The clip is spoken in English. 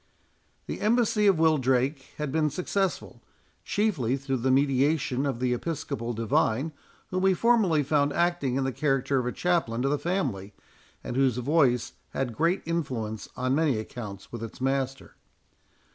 The embassy of Wildrake had been successful, chiefly through the mediation of the Episcopal divine, whom we formerly found acting in the character of a chaplain to the family, and whose voice had great influence on many accounts with its master.